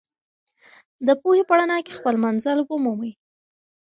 د پوهې په رڼا کې خپل منزل ومومئ.